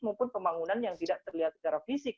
maupun pembangunan yang tidak terlihat secara fisik